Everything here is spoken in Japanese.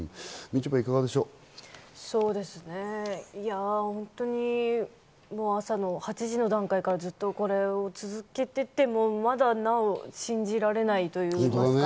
みちょぱ、朝の８時の段階からずっとこれを続けていてもまだなお信じられないといいますか。